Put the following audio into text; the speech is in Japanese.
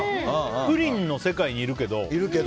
プリンの世界にいるけど。